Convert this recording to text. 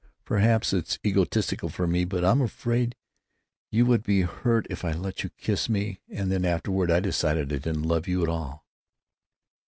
Perhaps it's egotistical of me, but I'm afraid you would be hurt if I let you kiss me and then afterward I decided I didn't love you at all."